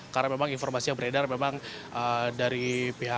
karena memang informasi yang beredar memang dari pihak